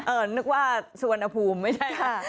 เออนึกว่าสวนอภูมิไม่ใช่ค่ะ